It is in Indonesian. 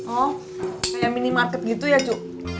oh kayak minimarket gitu ya cuk